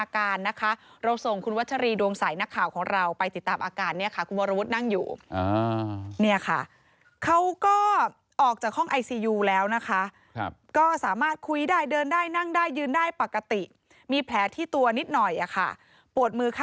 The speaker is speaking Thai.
คุณขับรถขนส่งใหญ่ขนาดนี้ด้วยอ่ะ